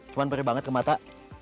cuman berih banget ke mata